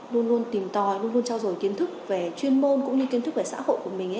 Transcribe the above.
luôn luôn tìm tòi luôn luôn trao dồi kiến thức về chuyên môn cũng như kiến thức về xã hội của mình